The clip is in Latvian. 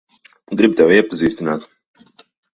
Gribu tevi iepazīstināt.